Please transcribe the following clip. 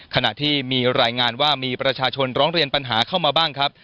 ขณะที่มีรายงานว่ามีประชาชนร้องเรียนปัญหาเข้ามาบ้างครับ